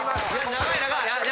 長い長い！